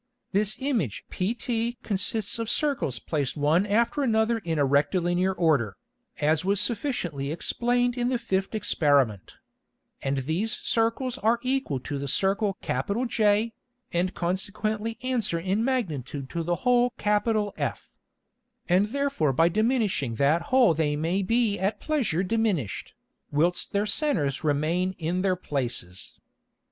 This Image pt consists of Circles placed one after another in a Rectilinear Order, as was sufficiently explained in the fifth Experiment; and these Circles are equal to the Circle J, and consequently answer in magnitude to the Hole F; and therefore by diminishing that Hole they may be at pleasure diminished, whilst their Centers remain in their Places.